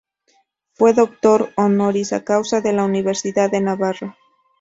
Fue doctor "honoris causa" por la universidad de Navarra.